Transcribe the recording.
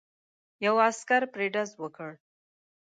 یو عسکر پرې ډز وکړ.